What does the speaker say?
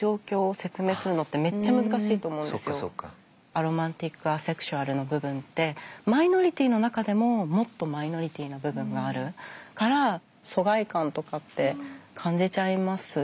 アロマンティック・アセクシュアルの部分ってマイノリティーの中でももっとマイノリティーな部分があるから疎外感とかって感じちゃいますよね。